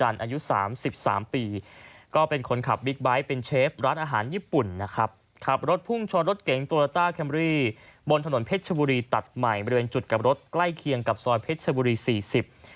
ถนนเพชรบุรีตัดใหม่บริเวณจุดกับรถใกล้เคียงกับซอยเพชรบุรีสี่สิบ